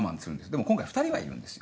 でも今回２人がいるんです